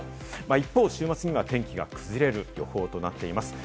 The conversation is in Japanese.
一方、週末には天気が崩れる予報となっています。